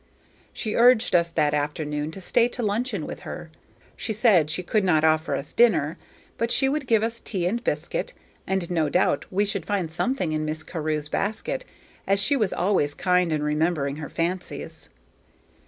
She urged us that afternoon to stay to luncheon with her; she said she could not offer us dinner, but she would give us tea and biscuit, and no doubt we should find something in Miss Carew's basket, as she was always kind in remembering her fancies.